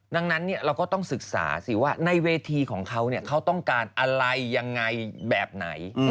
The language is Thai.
ดังนั้นเราก็ต้องศึกษาสิว่าในเวทีของเขาเขาต้องการอะไรยังไงแบบไหน